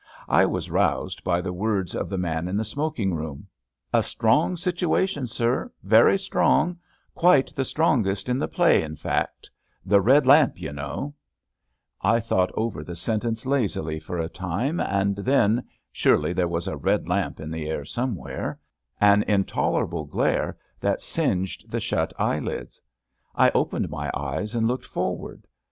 I was roused by the words of the man in the smoking room: '' A strong situation, sir, very strong — quite the strongest in the play, in fact — The Red Lamp, y' know/' 34 ABAFT THE FUNNEL I thought over the sentence lazily for a time, and then — surely there was a red lamp in the air somewhere— an intolerable glare that singed the shut eyelids. I opened my eyes and looked for ward.